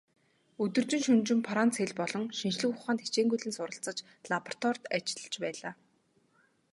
Өдөржин шөнөжин Франц хэл болон шинжлэх ухаанд хичээнгүйлэн суралцаж, лабораторид ажиллаж байлаа.